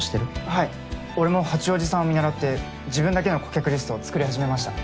はい俺も八王子さんを見習って自分だけの顧客リストを作り始めました。